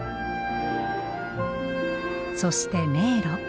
そして迷路。